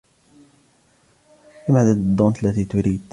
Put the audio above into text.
كم عدد الدونت التي تريد